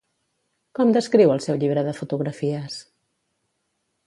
Com descriu el seu llibre de fotografies?